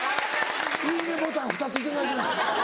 いいねボタン２つ頂きました。